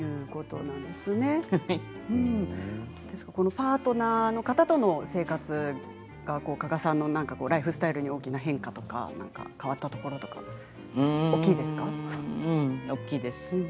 パートナーの方との生活が加賀さんのライフスタイルに大きな変化とか変わったところ大きいです。